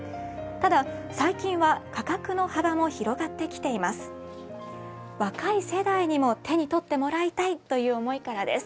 ただ、最近は価格の幅も広がってきています。